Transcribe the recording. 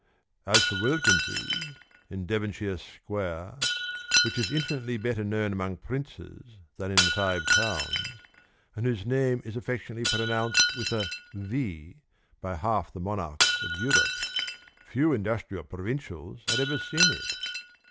As for Wilkins's, in Devonshire Square, which is infinitely better known among princes than in the Five Towns, and whose name is affectionately pronounced with a "V" by half the monarchs of Europe, few industrial provincials had ever seen it.